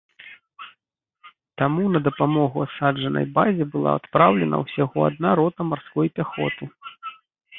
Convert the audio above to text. Таму на дапамогу асаджанай базе была адпраўлена ўсяго адна рота марской пяхоты.